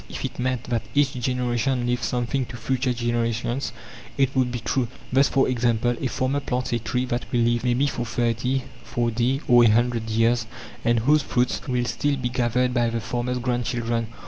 If it meant that each generation leaves something to future generations, it would be true; thus, for example, a farmer plants a tree that will live, maybe, for thirty, forty, or a hundred years, and whose fruits will still be gathered by the farmer's grandchildren.